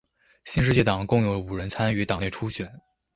新世界党共有五人参与党内初选。